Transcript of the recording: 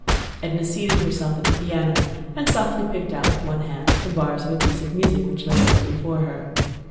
Edna seated herself at the piano, and softly picked out with one hand the bars of a piece of music which lay open before her.